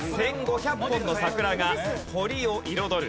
１５００本の桜が堀を彩る。